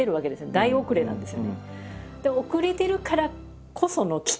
大遅れなんですよね。